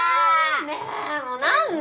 ねえもう何で？